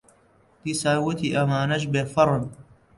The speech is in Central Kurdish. دیسان وتی: ئەمانەش بێفەڕن.